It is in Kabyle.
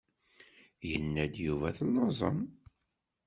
Yenna-d Yuba telluẓem.